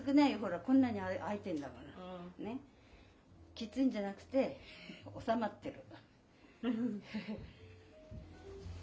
きついんじゃなくて収まってる。